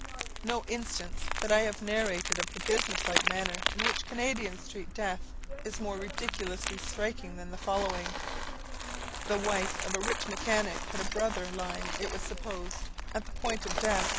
No instance that I have narrated of the business like manner in which Canadians treat death, is more ridiculously striking than the following: The wife of a rich mechanic had a brother lying, it was supposed, at the point of death.